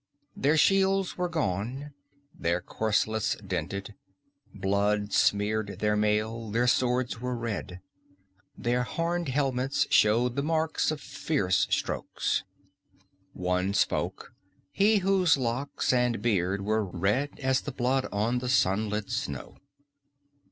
Their shields were gone, their corselets dinted. Blood smeared their mail; their swords were red. Their horned helmets showed the marks of fierce strokes. One spoke, he whose locks and beard were red as the blood on the sunlit snow.